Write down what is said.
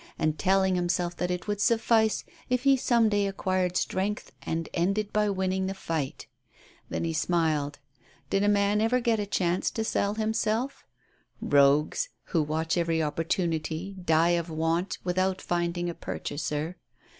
71 and telling himself that it would suffice if he some day acquired strength and ended by winning the fight. Then he smiled. Did a man ever get a chance to sell himself? Kogues, who watch every opportunity, die of want, without finding a purchaser.